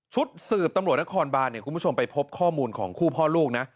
ชุดสืบตำรวจนครบานคุณผู้ชมไปพบข้อมูลของคู่พ่อลูกนะ